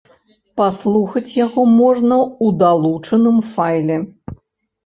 Паслухаць яго можна ў далучаным файле.